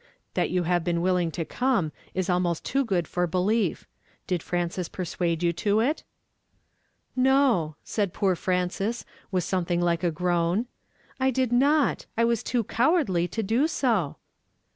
That you have been willing to come is almost too good for belief. Did Frances persuade you to it ?'"" No !" said poor Frances, with something like a groan ;" I did not ; I was too cowardly to do so."